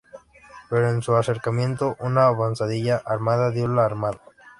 Pero en su acercamiento, una avanzadilla armada dio la alarma.